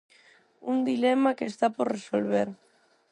Un dilema que está por resolver.